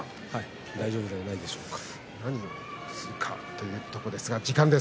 大丈夫ではないでしょうか。